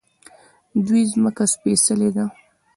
د دوی ځمکه سپیڅلې ده.